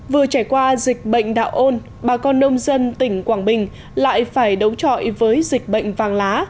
vừa trải qua dịch bệnh đạo ôn bà con nông dân tỉnh quảng bình lại phải đấu trọi với dịch bệnh vàng lá